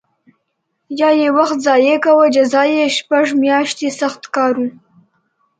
یا یې وخت ضایع کاوه جزا یې شپږ میاشتې سخت کار و